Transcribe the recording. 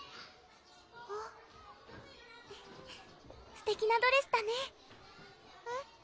すてきなドレスだねえっ